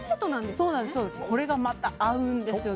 これがまた合うんですよ。